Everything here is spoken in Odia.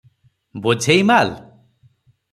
ବୋଝେଇ ମାଲ?